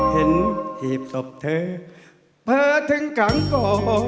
เห็นหีบตบเธอเผอร์ถึงกลางโก